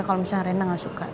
kalau misalnya rena nggak suka